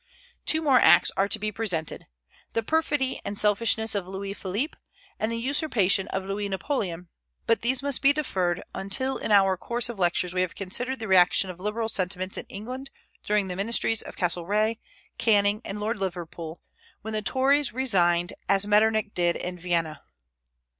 Two more acts are to be presented, the perfidy and selfishness of Louis Philippe, and the usurpation of Louis Napoleon; but these must be deferred until in our course of lectures we have considered the reaction of liberal sentiments in England during the ministries of Castlereagh, Canning, and Lord Liverpool, when the Tories resigned, as Metternich did in Vienna.